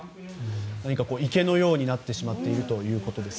池のようになってしまっているということです。